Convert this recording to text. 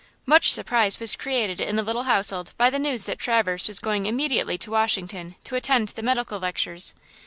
Much surprise was created in the little household by the news that Traverse was going immediately to Washington to attend the medical lectures.